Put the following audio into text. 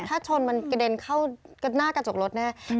ถ้าชนมันกระเด็นเข้าหน้ากระจกรถแน่